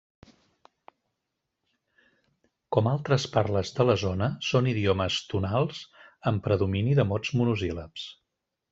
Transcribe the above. Com altres parles de la zona, són idiomes tonals amb predomini de mots monosíl·labs.